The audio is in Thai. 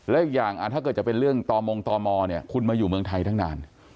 และอีกอย่างถ้าเกิดจะเป็นเรื่องต่อมงตมเนี่ยคุณมาอยู่เมืองไทยตั้งนาน